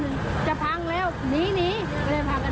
เนี้ยอ๋อคือก้มอุ้มหลานไว้ก็เลยบอกว่าบ้านนั่นแล้วบ้าน